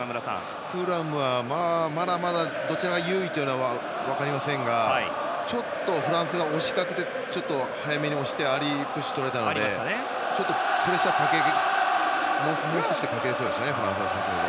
スクラムはまだまだどちらが優位かは分かりませんがちょっとフランスが押しかけて早めに押してアーリープッシュをとられたのでプレッシャーをもう少しかけられそうですね。